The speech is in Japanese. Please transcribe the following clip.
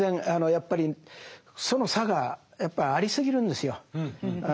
やっぱりその差がやっぱりありすぎるんですよ。